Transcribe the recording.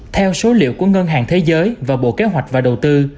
theo số liệu của ngân hàng thế giới và bộ kế hoạch và đầu tư